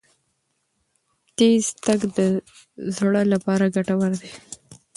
تېز تګ د زړه لپاره ګټور دی.